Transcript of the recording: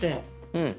うん。